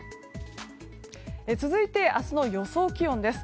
続いて、明日の予想気温です。